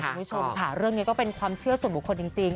คุณผู้ชมค่ะเรื่องนี้ก็เป็นความเชื่อส่วนบุคคลจริง